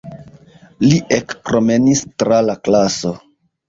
Li ekpromenis tra la klaso.